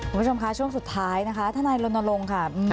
คุณผู้ชมคะช่วงสุดท้ายนะคะทนายรณรงค์ค่ะ